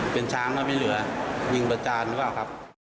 เป็นช้างแล้วไม่เหลือยิงประจานหรือเปล่าครับ